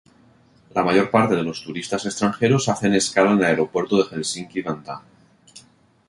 La mayor parte de los turistas extranjeros hacen escala en el aeropuerto de Helsinki-Vantaa.